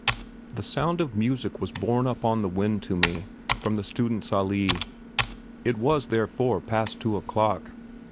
The sound of music was borne up on the wind to me from the Students' Allée. It was therefore past two o'clock.